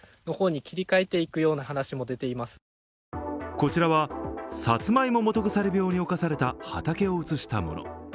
こちらはサツマイモ基腐病におかされた畑を写したもの。